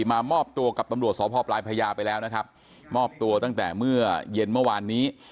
มามอบตัวกับตำรวจสพปลายพญาไปแล้วนะครับมอบตัวตั้งแต่เมื่อเย็นเมื่อวานนี้